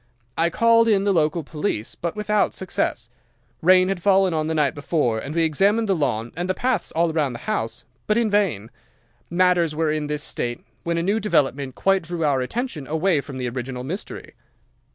I called in the local police, but without success. Rain had fallen on the night before and we examined the lawn and the paths all round the house, but in vain. Matters were in this state, when a new development quite drew our attention away from the original mystery.